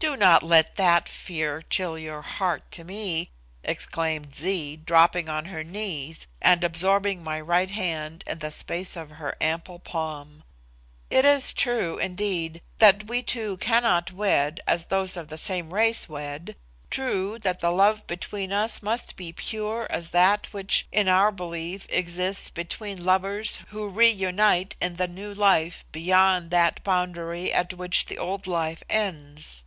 "Do not let that fear chill your heart to me," exclaimed Zee, dropping on her knees and absorbing my right hand in the space of her ample palm. "It is true, indeed, that we two cannot wed as those of the same race wed; true that the love between us must be pure as that which, in our belief, exists between lovers who reunite in the new life beyond that boundary at which the old life ends.